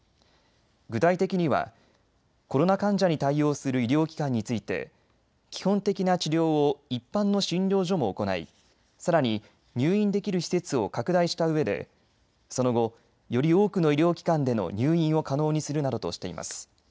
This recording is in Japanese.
具体的にはコロナ患者に対応する医療機関について基本的な治療を一般の診療所も行い、さらに入院できる施設を拡大したうえでその後、より多くの医療機関での入院を可能にするなどとしています。